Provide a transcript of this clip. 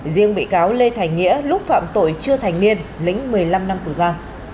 riêng bị cáo lê thành nghĩa lúc phạm tội chưa thành niên lĩnh một mươi năm năm tù giam